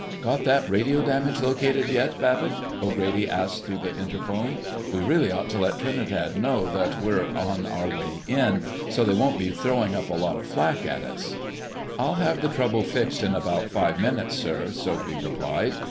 "Got that radio damage located yet, Babbitt?" O'Grady asked through the interphone. "We really ought to let Trinidad know that we're on our way in, so they won't be throwing up a lot of flak at us." "I'll have the trouble fixed in about five minutes, sir," Soapy replied.